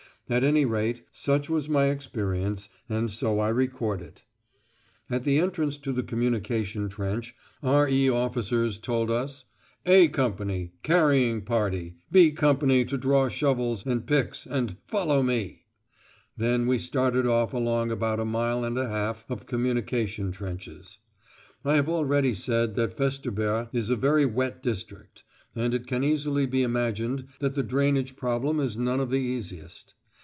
At any rate, such was my experience, and so I record it. At the entrance to the communication trench R.E. officers told us off: "A" Company, "carrying party"; "B" Company to draw shovels and picks and "follow me." Then we started off along about a mile and a half of communication trenches. I have already said that Festubert is a very wet district, and it can easily be imagined that the drainage problem is none of the easiest.